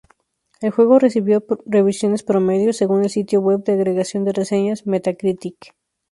El juego recibió revisiones "promedio" según el sitio web de agregación de reseñas Metacritic.